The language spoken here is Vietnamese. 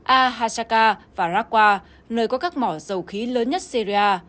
al hasakah và raqqa nơi có các mỏ dầu khí lớn nhất syria